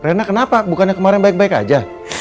rena kenapa bukannya kemarin baik baik aja